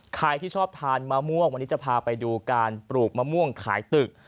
ใครที่ชอบทานมะม่วงวันนี้จะพาไปดูการปลูกมะม่วงขายตึก